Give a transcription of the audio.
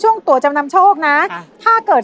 ตัวจำนำโชคนะถ้าเกิด